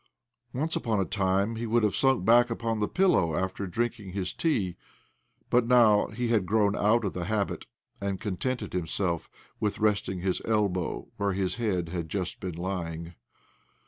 Once upon a time he would have sunk back upon the pillow after drinking his tea, but now he had grown out of the habit, and contented himself with resting his elbow where his head had just been lying.